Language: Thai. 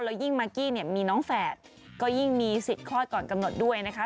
แล้วยิ่งมากกี้เนี่ยมีน้องแฝดก็ยิ่งมีสิทธิ์คลอดก่อนกำหนดด้วยนะคะ